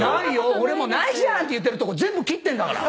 俺もないじゃんって言ってるとこ全部切ってんだから。